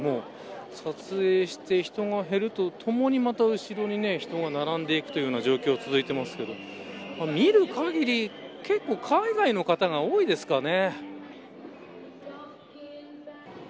撮影して人が減るとともにまた後ろに人が並んでいくという状況が続いてますけど見る限り結構海外の方が多いですかね。